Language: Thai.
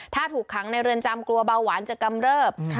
ถ้าถูกขังในเรือนจำกลัวเบาหวานจะกำเริบ